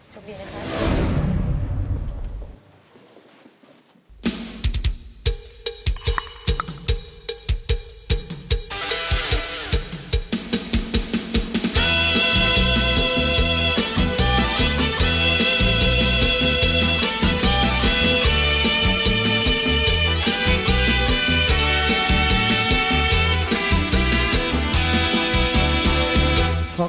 โชคดีนะครับ